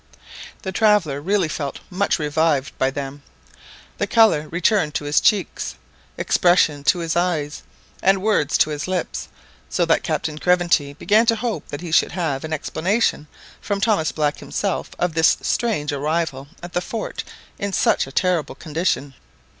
The traveller really felt much revived by them; the colour returned to his cheeks, expression to his eyes, and words to his lips, so that Captain Craventy began to hope that he should have an explanation from Thomas Black himself of his strange arrival at the fort in such a terrible condition.